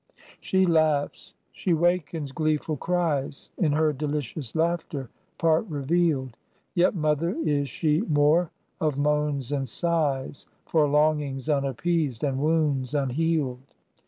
She laughs, she wakens gleeful cries; In her delicious laughter part revealed; Yet mother is she more of moans and sighs, For longings unappeased and wounds unhealed.